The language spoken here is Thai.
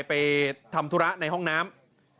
ไปทำธุระในห้องน้ำ